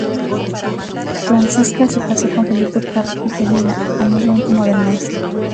Francesca se casó con Felip Capdevila, amigo íntimo del maestro.